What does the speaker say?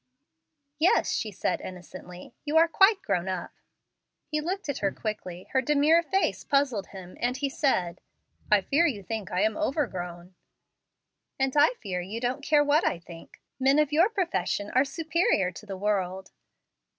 "Yes," she said innocently. "You are quite grown up." He looked at her quickly; her demure face puzzled him, and he said, "I fear you think I am overgrown." "And I fear you don't care what I think. Men of your profession are superior to the world."